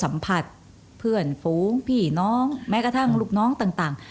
สัมผัสเพื่อนฝูงพี่น้องแม้กระทั่งลูกน้องต่าง